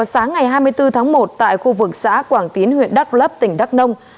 sáng ngày hai mươi bốn tháng một tại khu vực xã quảng tín huyện đắk lấp tỉnh đắk nông